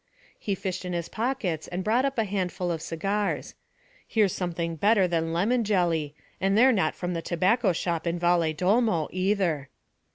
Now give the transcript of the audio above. He fished in his pockets and brought up a handful of cigars. 'Here's something better than lemon jelly, and they're not from the tobacco shop in Valedolmo either.'